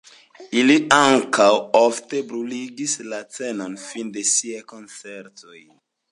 Ili ankaŭ ofte bruligis la scenon fine de siaj koncertoj.